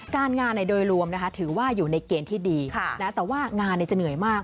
การงานโดยรวมถือว่าอยู่ในเกณฑ์ที่ดีแต่ว่างานจะเหนื่อยมาก